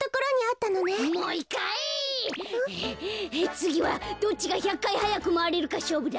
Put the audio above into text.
つぎはどっちが１００かいはやくまわれるかしょうぶだ。